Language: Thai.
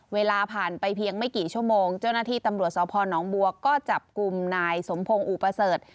เวลาผ่านไปเพียงไม่กี่ชั่วโมงเจ้าหน้าที่ตำรวจสพนบัวก็จับกลุ่มนายสมพงศ์อุปเสริฐ